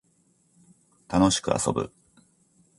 楽しく遊ぶ